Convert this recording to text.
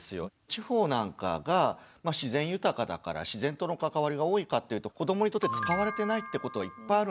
地方なんかが自然豊かだから自然との関わりが多いかっていうと子どもにとって使われてないってことはいっぱいあるんですよね。